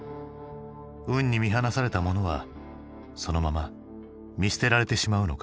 運に見放された者はそのまま見捨てられてしまうのか？